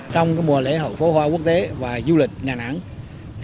trong mùa lễ hội phó hoa quốc tế và du lịch nha nẵng